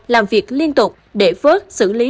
làm việc liên tục để vớt xử lý